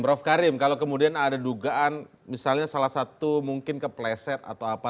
prof karim kalau kemudian ada dugaan misalnya salah satu mungkin kepleset atau apa